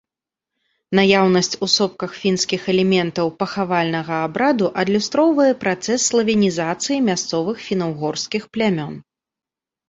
Наяўнасць у сопках фінскіх элементаў пахавальнага абраду адлюстроўвае працэс славянізацыі мясцовых фіна-угорскіх плямён.